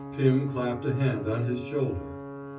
Pim clapped a hand on his shoulder.